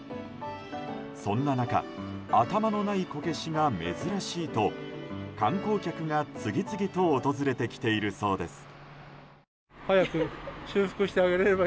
そんな中頭のないこけしが珍しいと観光客が次々と訪れてきているそうです。